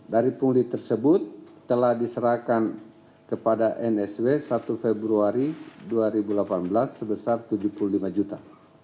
dari pungli tersebut telah diserahkan kepada nsw satu februari dua ribu delapan belas sebesar tujuh puluh lima juta